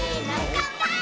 「かんぱーい！！」